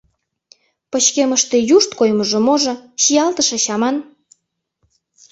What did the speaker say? — Пычкемыште юшт коймыжо можо, чиялтышыч аман!